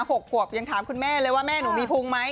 หกขวบยังถามคุณแม่เลยว่าแม่หนูมีพุงไหม